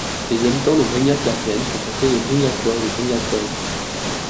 Les habitants de Brignac-la-Plaine sont appelés les Brignacois et les Brignacoises.